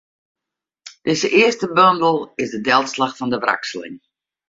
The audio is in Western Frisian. Dizze earste bondel is de delslach fan de wrakseling.